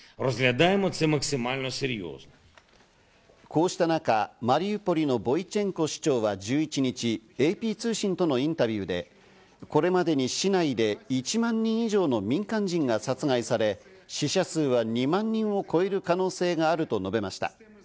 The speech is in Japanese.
こうした中、マリウポリのボイチェンコ市長は１１日、ＡＰ通信とのインタビューでこれまでに市内で１万人以上の民間人が殺害され、死者数は２万人を超える可能性があると述べました。